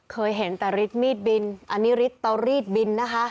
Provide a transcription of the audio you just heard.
เคยเห็นแต่ฤทธิมีดบินอันนี้ฤทธิเตารีดบินนะคะ